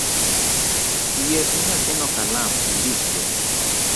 Yiedhne nyathino kalam ondikgo.